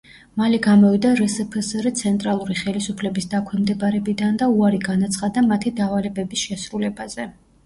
მალე გამოვიდა რსფსრ ცენტრალური ხელისუფლების დაქვემდებარებიდან და უარი განაცხადა მათი დავალებების შესრულებაზე.